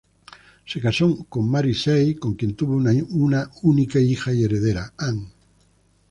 Se casó con Mary Say, con quien tuvo una única hija y heredera: Anne.